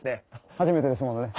初めてですものね。